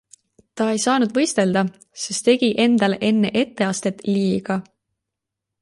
Ta ei saanud võistelda, sest tegi endale enne etteastet liiga.